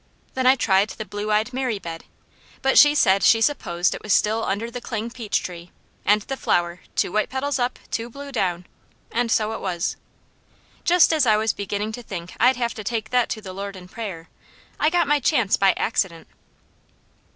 Then I tried the blue eyed Mary bed, but she said she supposed it was still under the cling peach tree, and the flower, two white petals up, two blue down, and so it was. Just as I was beginning to think I'd have to take that to the Lord in prayer, I got my chance by accident.